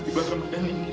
di bawah kemah dan ini